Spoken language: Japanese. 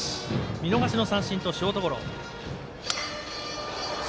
見逃しの三振とショートゴロ。